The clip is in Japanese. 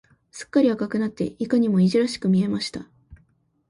すっかり赤くなって、いかにもいじらしく見えました。